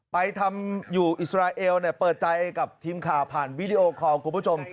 ไปทำอยู่อิสราเอลเปิดใจกับทีมข่าวผ่านวิดีโอคอลคุณผู้ชม